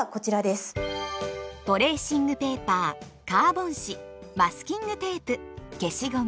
トレーシングペーパーカーボン紙マスキングテープ消しゴム。